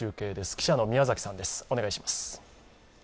記者の宮崎さんです。